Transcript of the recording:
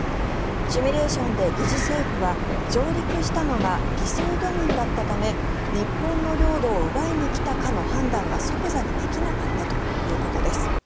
シミュレーションで疑似政府は上陸したのが偽装漁民だったため日本の領土を奪いに来たかの判断が即座にできなかったということです。